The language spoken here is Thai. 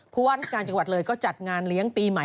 ว่าราชการจังหวัดเลยก็จัดงานเลี้ยงปีใหม่